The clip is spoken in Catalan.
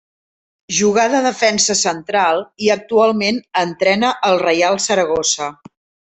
Jugà de defensa central i actualment entrena el Reial Saragossa.